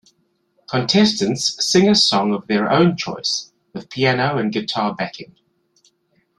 Contestants sing a song of their own choice with piano and guitar backing.